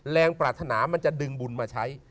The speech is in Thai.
ปรารถนามันจะดึงบุญมาใช้